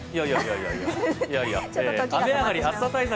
雨上がり、暑さ対策